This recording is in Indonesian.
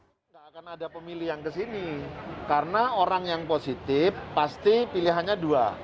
tidak akan ada pemilih yang kesini karena orang yang positif pasti pilihannya dua